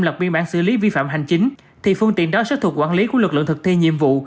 lập biên bản xử lý vi phạm hành chính thì phương tiện đó sẽ thuộc quản lý của lực lượng thực thi nhiệm vụ